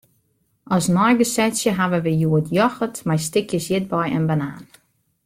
As neigesetsje hawwe wy hjoed yochert mei stikjes ierdbei en banaan.